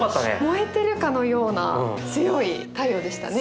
燃えてるかのような強い太陽でしたね。